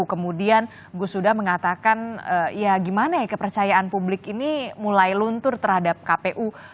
kemudian gus huda mengatakan ya gimana ya kepercayaan publik ini mulai luntur terhadap kpu